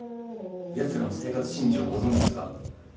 やつらの生活信条をご存じですか？